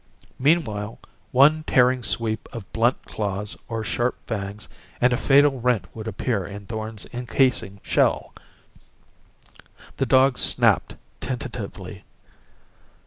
Meanwhile, one tearing sweep of blunt claws or sharp fangs and a fatal rent would appear in Thorn's encasing shell! The dog snapped tentatively.